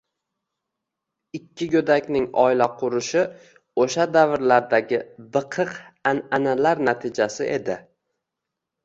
Ikki goʻdakning oila qurishi oʻsha davrlardagi biqiq anʼanalar natijasi edi